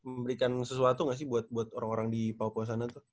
memberikan sesuatu nggak sih buat orang orang di papua sana tuh